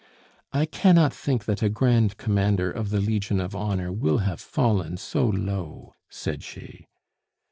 "I cannot think that a Grand Commander of the Legion of Honor will have fallen so low," said she.